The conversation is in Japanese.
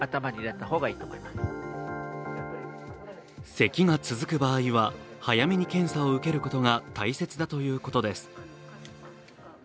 せきが続く場合は、早めに検査を受けることが大切だということです。